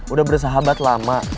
udah bersahabat lama